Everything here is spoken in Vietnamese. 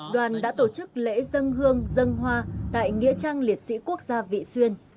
đoàn đã tổ chức lễ dân hương dân hoa tại nghĩa trang liệt sĩ quốc gia vị xuyên